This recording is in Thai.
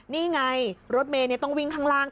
นี่ไงรถเมย์ต้องวิ่งข้างล่าง